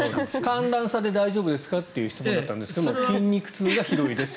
寒暖差で大丈夫ですかという質問だったんですが筋肉痛がひどいですと。